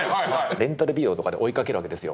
レンタルビデオとかで追いかけるわけですよ。